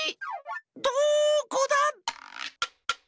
どこだ？